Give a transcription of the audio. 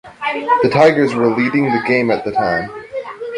The Tigers were leading the game at the time.